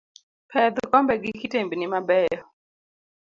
Pedh kombe gi kitembni mabeyo.